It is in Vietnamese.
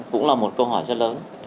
cũng là một câu hỏi rất lớn